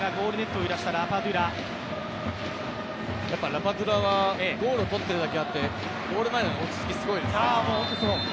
ラパドゥラはゴール取っているだけあってゴール前の落ち着き、すごいですね。